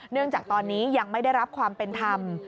จากตอนนี้ยังไม่ได้รับความเป็นธรรม